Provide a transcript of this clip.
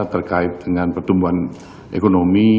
terkait dengan pertumbuhan ekonomi